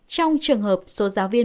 trong trường hợp số giáo viên